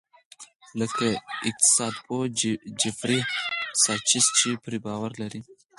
لکه اقتصاد پوه جیفري ساچس چې پرې باور لري.